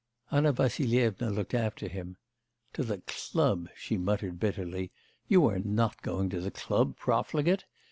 Anna Vassilyevna looked after him. 'To the club!' she muttered bitterly: 'you are not going to the club, profligate?